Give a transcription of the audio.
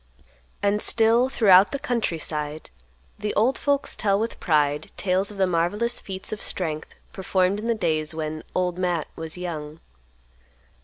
And still, throughout the country side, the old folks tell with pride tales of the marvelous feats of strength performed in the days when "Old Matt" was young.